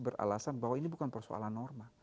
beralasan bahwa ini bukan persoalan norma